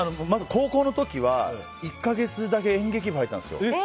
高校の時は１か月だけ演劇部に入ったんですよ。